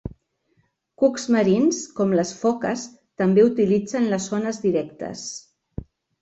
Cucs marins com les foques també utilitzen les ones directes.